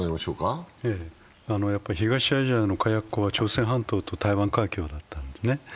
東アジアの火薬庫は朝鮮半島と台湾海峡だったんですね。